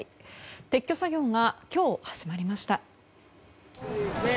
撤去作業が今日始まりました。